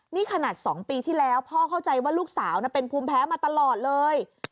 นี่ขนาด๒ปีที่แล้วพ่อเข้าใจว่าลูกสาวเป็นภูมิแพ้มาตลอดเลย